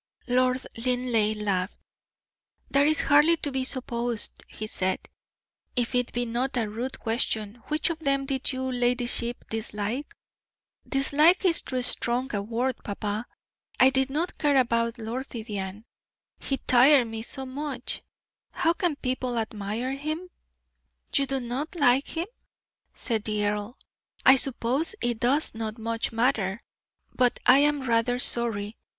Lord Linleigh laughed. "That is hardly to be supposed," he said. "If it be not a rude question, which of them did your ladyship dislike?" "Dislike is too strong a word, papa. I did not care about Lord Vivianne; he tired me very much. How can people admire him?" "You do not like him?" said the earl. "I suppose it does not much matter, but I am rather sorry.